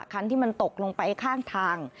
คันที่มันตกลงไปข้างทาง